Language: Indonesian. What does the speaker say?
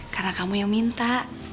karena kamu yang minta